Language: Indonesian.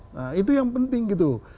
nah itu yang penting gitu